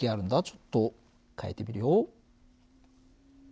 ちょっと変えてみるよ。